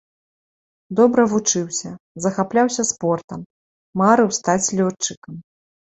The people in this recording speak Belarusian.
Добра вучыўся, захапляўся спортам, марыў стаць лётчыкам.